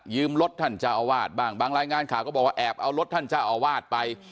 รถท่านเจ้าอาวาสบ้างบางรายงานข่าวก็บอกว่าแอบเอารถท่านเจ้าอาวาสไป